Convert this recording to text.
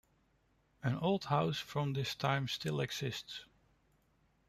An old house from this time still exists.